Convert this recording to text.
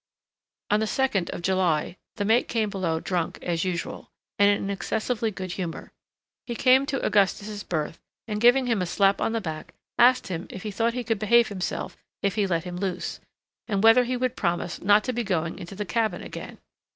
On the second of July the mate came below drunk as usual, and in an excessively good humor. He came to Augustus's berth, and, giving him a slap on the back, asked him if he thought he could behave himself if he let him loose, and whether he would promise not to be going into the cabin again.